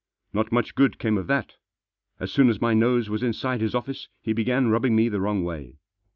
Not much good came of that As soon as my nose was Inside his office he began rubbing me the Wrong way.